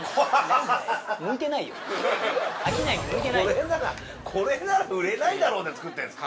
これならこれなら売れないだろで作ってんすか？